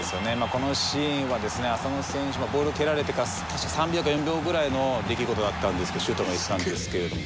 このシーンはですね浅野選手がボールを蹴られてから確か３秒か４秒ぐらいの出来事だったシュートまでいったんですけれども。